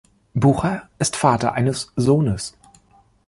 Bucher ist Vater eines Sohnes.